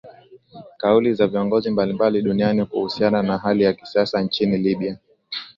kauli za viongozi mbalimbali duniani kuhusiana na hali ya kisiasa nchini libya